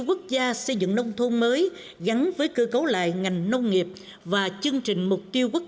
quốc gia xây dựng nông thôn mới gắn với cơ cấu lại ngành nông nghiệp và chương trình mục tiêu quốc